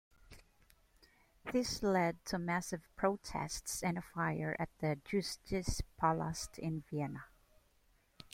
This led to massive protests and a fire at the "Justizpalast" in Vienna.